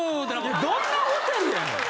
いやどんなホテルやねん！